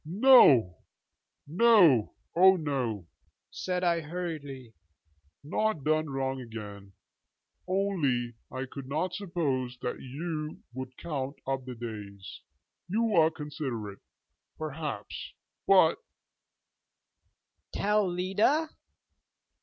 'No, no, oh no,' said I hurriedly: 'not done wrong again. Only, I could not suppose that you would count up the days. You are ... considerate. Perhaps but ' 'Tell Leda?'